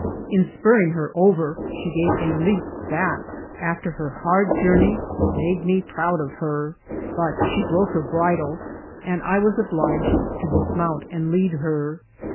In q>urring her over one, she gave a leap that, after her hard jour ney, made me proud of her ; but she broke her bridlci ■ KTET IHTO TH» CITY. l«l and I was obliged to dismount and lead her.